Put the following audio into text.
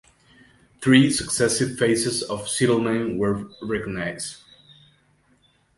Three successive phases of settlement were recognized.